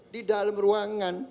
di dalam ruangan